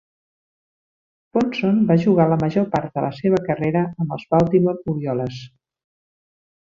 Ponson va jugar la major part de la seva carrera amb els Baltimore Orioles.